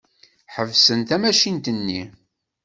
Ḥebsen tamacint-nni.